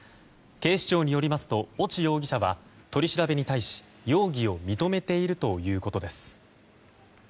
警視庁によりますと越智容疑者は取り調べに対し容疑を認めているということです。